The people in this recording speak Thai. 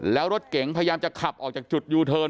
แล้วรถเก๋งพยายามจะขับออกจากจุดยูเทิร์น